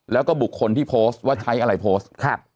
แล้วก็บุคคลที่โพสต์ว่าใช้อะไรโพสต์